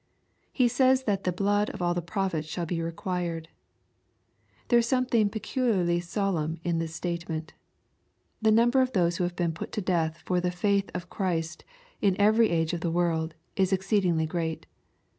He says that the " blood of all the prophets shall be required." There is something peculiarly solemn in this state ment. The number of those who have been put to death for the faith of Christ in every age of the world, is exceedingly great.